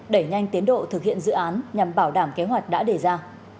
đẩy nhanh tiến độ thực hiện dự án nhằm bảo đảm kế hoạch đã đề ra